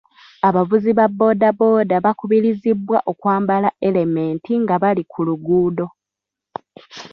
Abavuzi ba boodabooda bakubirizibwa okwambala erementi nga bali ku luguudo.